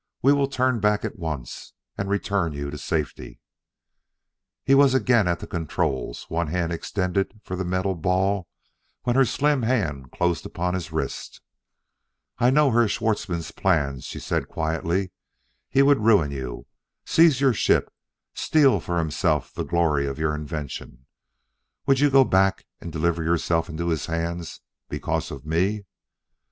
We will turn back at once, and return you safely " He was again at the controls, one hand extended for the metal ball, when her slim hand closed upon his wrist. "I know Herr Schwartzmann's plans," she said quietly. "He would ruin you; seize your ship; steal for himself the glory of your invention. Would you go back and deliver yourself into his hands because of me?"